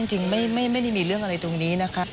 จริงไม่ได้มีเรื่องอะไรตรงนี้นะคะ